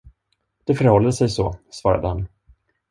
Det förhåller sig så, svarade han.